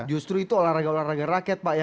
justru itu olahraga olahraga rakyat pak ya